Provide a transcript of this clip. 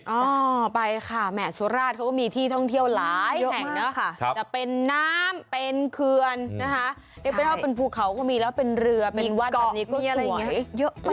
ก็ไปค่ะแหม่สุราชเขาก็มีที่ท่องเที่ยวหลายแห่งนะคะจะเป็นน้ำเป็นเคือนนะคะเรียกเป็นว่าเป็นภูเขาก็มีแล้วเป็นเรือเป็นวัดแบบนี้ก็สวย